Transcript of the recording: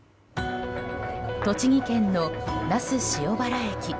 栃木県の那須塩原駅。